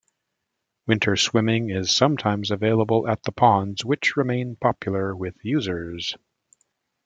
Winter swimming is sometimes available at the ponds, which remain popular with users.